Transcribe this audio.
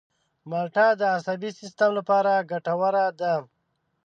مالټه د عصبي سیستم لپاره ګټوره ده.